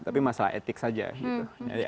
tapi masalah etik saja gitu